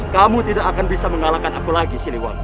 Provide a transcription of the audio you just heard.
kamu tidak akan bisa mengalahkan aku lagi sinewab